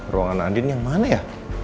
ruangan andin yang mana ya